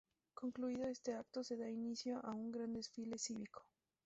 Concluido este acto se da inicio a un gran desfile cívico.